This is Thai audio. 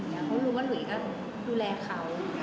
เขารู้ว่าหลุยก็ดูแลเขา